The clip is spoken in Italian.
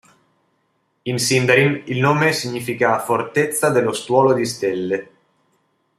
In Sindarin, il nome significa "Fortezza dello Stuolo di Stelle".